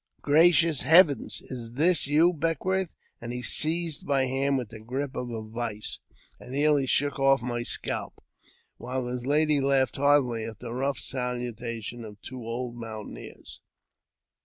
"" Gracious heavens ! is this you, Beckwourth ?" and he seized my hand with the grip of a vice, and nearly shook off ! my scalp, while his lady laughed heartily at the rough saluta i tion of two old mountaineers.